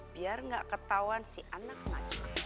biar gak ketauan si anna